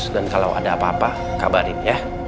dan kalo ada apa apa kabarin ya